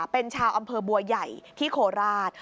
เป็นชาวอำเภอบัวใหญ่ที่โคราช